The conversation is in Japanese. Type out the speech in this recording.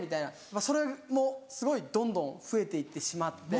まぁそれもすごいどんどん増えて行ってしまって。